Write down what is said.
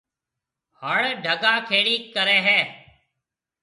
هڙ ڊگا کيڙيَ هيَ۔